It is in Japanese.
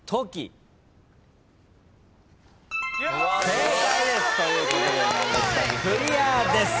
正解です！ということで難読漢字クリアです！